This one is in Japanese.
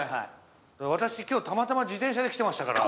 私、今日たまたま自転車で来てましたから。